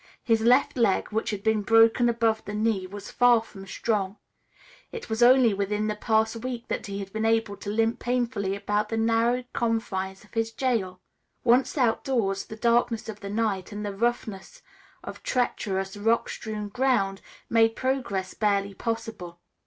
His left leg, which had been broken above the knee, was far from strong. It was only within the past week that he had been able to limp painfully about the narrow confines of his jail. Once outdoors, the darkness of the night and the roughness of treacherous, rock strewn ground made progress barely possible.